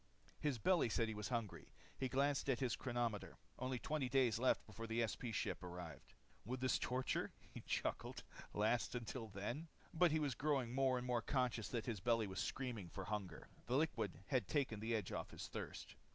His belly said he was hungry. He glanced at his chronometer. Only 20 days left before the SP ship arrived. Would this torture he chuckled last until then? But he was growing more and more conscious that his belly was screaming for hunger. The liquid had taken the edge off his thirst.